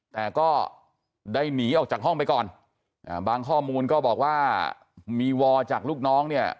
แต่ก็ได้หนีออกจากห้องไปก่อนอ่าบางข้อมูลก็บอกว่ามีวอจากลูกน้องเนี่ย